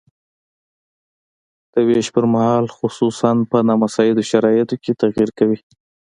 د ویش پرمهال خصوصاً په نامساعدو شرایطو کې تغیر کوي.